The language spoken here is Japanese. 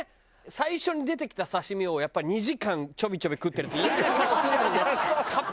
最初に出てきた刺身をやっぱり２時間ちょびちょび食ってるとイヤな顔するんだよね。